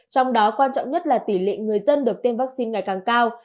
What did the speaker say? trong đó quan trọng nhất là tỷ lệ người dân được tiêm vaccine ngày càng cao